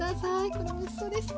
これもおいしそうです。